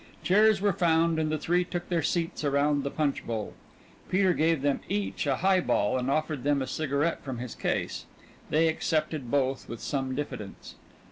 Chairs were found and the three took their seats around the punch bowl. Peter gave them each a highball and offered them a cigarette from his case. They accepted both with some diffidence.